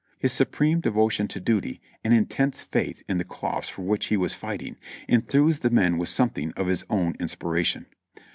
His supreme devotion to duty and intense faith in the cause for which he was fighting enthused the men with something of his own inspiration.